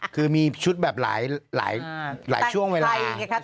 คือมีชุดแบบหลายช่วงเวลา